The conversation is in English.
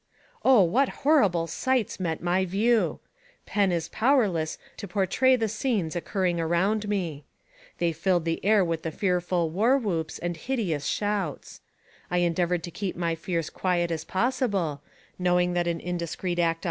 Oh, what horrible sights met my view! Pen is powerless to portray the scenes occurring around me. They filled the air with the fearful war whoops and hideous shouts. I endeavored to keep my fears quiet as possible, knowing that an indiscreet act.